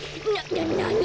ななに？